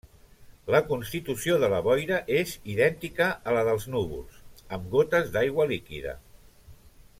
La constitució de la boira és idèntica a la dels núvols amb gotes d'aigua líquida.